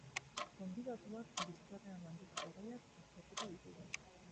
Gonbidatuak, biltzarrean landutako gaiak aztertuko ditu.